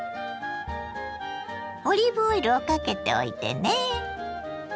オリーブオイルをかけておいてね。